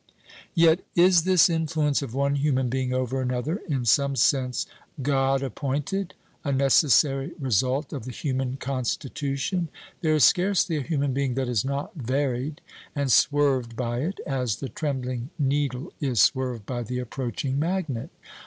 Yet is this influence of one human being over another in some sense, God appointed a necessary result of the human constitution. There is scarcely a human being that is not varied and swerved by it, as the trembling needle is swerved by the approaching magnet.